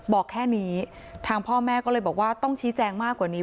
บอกแค่นี้ทางพ่อแม่ก็เลยบอกว่าต้องชี้แจงมากกว่านี้